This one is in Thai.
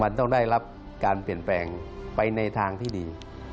มันต้องได้รับการเปลี่ยนแปลงไปในทางที่ดี